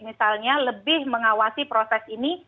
misalnya lebih mengawasi proses ini